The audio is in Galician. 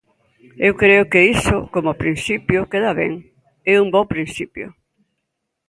Eu creo que iso, como principio, queda ben, é un bo principio.